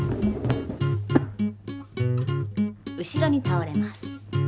後ろにたおれます。